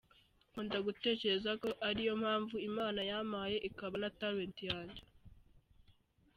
Nkunda gutekereza ko ari iyo mpamvu Imana yamaye ikaba na Talent yanjye.